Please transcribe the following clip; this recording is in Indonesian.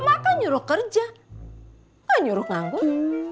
mak kan nyuruh kerja kan nyuruh nganggur